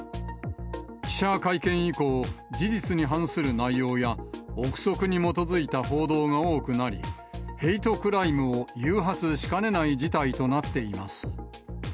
記者会見以降、事実に反する内容や、臆測に基づいた報道が多くなり、ヘイトクライムを誘発しかねない事態となっています。